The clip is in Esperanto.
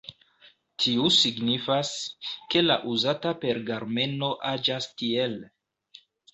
Tiu signifas, ke la uzata pergameno aĝas tiel.